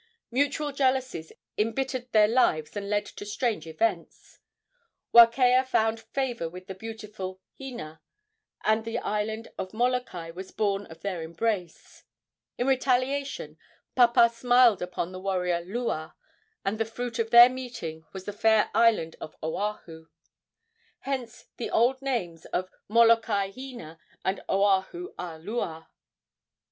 Mutual jealousies embittered their lives and led to strange events. Wakea found favor with the beautiful Hina, and the island of Molokai was born of their embrace. In retaliation Papa smiled upon the warrior Lua, and the fruit of their meeting was the fair island of Oahu. Hence the old names of Molokai Hina and Oahu a Lua.